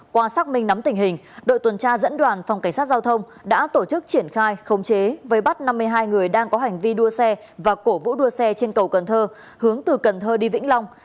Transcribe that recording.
qua xác minh nắm tình hình đội tuần tra dẫn đoàn phòng cảnh sát giao thông đã tổ chức triển khai khống chế với bắt năm mươi hai người đang có hành vi đua xe và cổ vũ đua xe trên cầu cần thơ hướng từ cần thơ đi vĩnh long